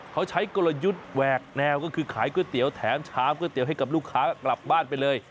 เขาใช้กลยุทธ์แหวกแนวก็คือขายก๋วยเตี๋ยวแถมชามก๋วเตี๋ยให้กับลูกค้ากลับบ้านไปเลย